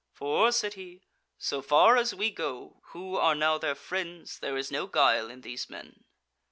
"For," said he, "so far as we go, who are now their friends, there is no guile in these men."